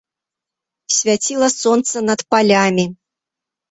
Свяціла сонца над палямі.